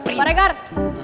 udah berapa kali nih chat